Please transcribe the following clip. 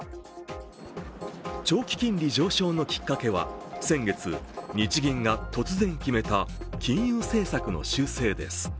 長期金利上昇のきっかけは、先月、日銀が突然決めた金融政策の修正です。